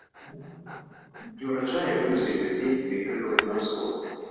Неўраджаі вымусілі людзей мігрыраваць на ўсход.